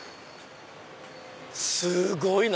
すごいな！